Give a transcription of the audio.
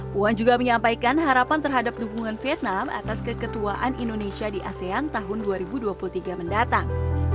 puan juga menyampaikan harapan terhadap dukungan vietnam atas keketuaan indonesia di asean tahun dua ribu dua puluh tiga mendatang